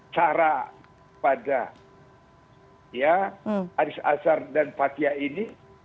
cara pada ya haris azhar dan fathia ini